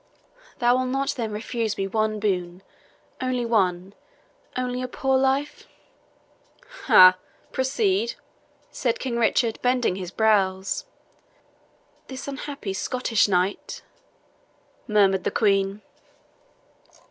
"Thou wilt not then refuse me one boon only one only a poor life?" "Ha! proceed," said King Richard, bending his brows. "This unhappy Scottish knight " murmured the Queen.